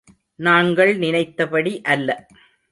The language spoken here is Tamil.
நாங்கள் நினைத்தபடி அல்ல.